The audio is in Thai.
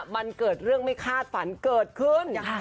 มันเกิดเรื่องไม่คาดฝันเกิดขึ้น